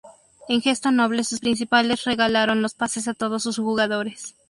En gesto noble sus principales regalaron los pases a todos sus jugadores.